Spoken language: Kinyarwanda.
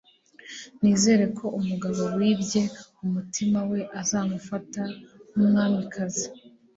Nizere ko umugabo wibye umutima we azamufata nkumwamikazi